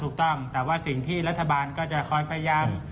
ถูกต้องแต่ว่าสิ่งที่รัฐบาลก็จะคอยพยายาม